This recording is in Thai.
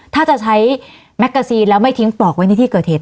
ถ้าจะใช้แมกกาซีนแล้วไม่ทิ้งปลอกไว้ในที่เกิดเหตุ